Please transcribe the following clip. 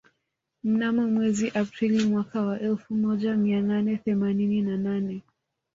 Mnamo mwezi Aprili mwaka wa elfu moja mia nane themanini na nane